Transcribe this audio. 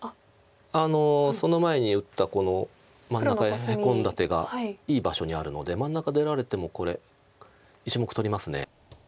その前に打った真ん中へヘコんだ手がいい場所にあるので真ん中出られてもこれ１目取ります。